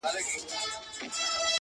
جهاني زما چي په یادیږي دا جنت وطن وو.!